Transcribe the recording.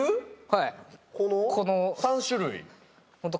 はい。